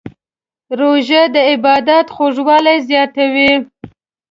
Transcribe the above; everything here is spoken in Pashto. روژه د عبادت خوږوالی زیاتوي.